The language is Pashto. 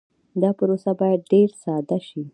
دا پروسه باید ډېر ساده شي.